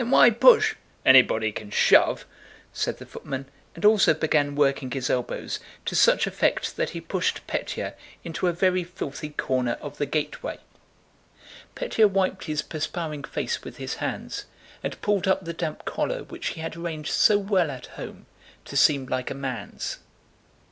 Then why push?" "Anybody can shove," said the footman, and also began working his elbows to such effect that he pushed Pétya into a very filthy corner of the gateway. Pétya wiped his perspiring face with his hands and pulled up the damp collar which he had arranged so well at home to seem like a man's.